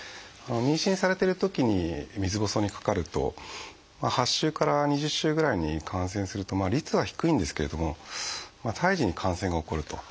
妊娠されてるときに水ぼうそうにかかると８週から２０週ぐらいに感染するとまあ率は低いんですけれども胎児に感染が起こると。